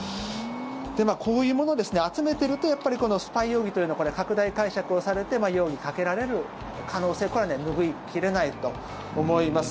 こういうものを集めてるとやっぱりスパイ容疑というのはこれ、拡大解釈をされて容疑にかけられる可能性これは拭い切れないと思います。